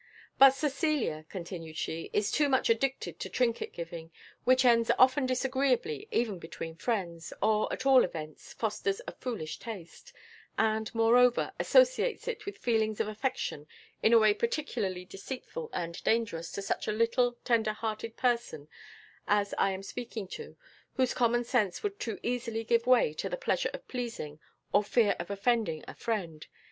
"But Cecilia," continued she, "is too much addicted to trinket giving, which ends often disagreeably even between friends, or at all events fosters a foolish taste, and moreover associates it with feelings of affection in a way particularly deceitful and dangerous to such a little, tender hearted person as I am speaking to, whose common sense would too easily give way to the pleasure of pleasing or fear of offending a friend.